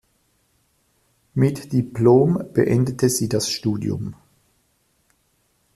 Mit Diplom beendete sie das Studium.